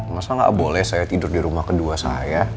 masa nggak boleh saya tidur di rumah kedua saya